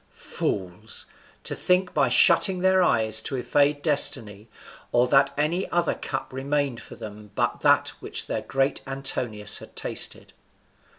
Fools! to think by shutting their eyes to evade destiny, or that any other cup remained for them but that which their great Antinous had tasted!